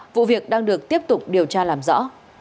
vụ việc đang được tiếp tục điều tra làm rõ